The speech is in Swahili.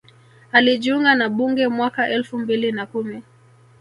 Alijiunga na bunge mwaka elfu mbili na kumi